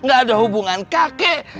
gak ada hubungan kakek